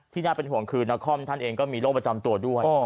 น่าเป็นห่วงคือนครท่านเองก็มีโรคประจำตัวด้วย